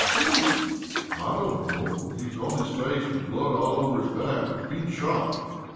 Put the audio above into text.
Who?" "I don't know, but he's on his face with blood all over his back. He's been shot!"